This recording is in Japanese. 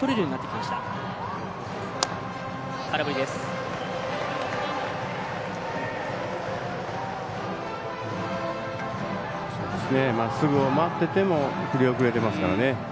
まっすぐを待ってても振り遅れてますからね。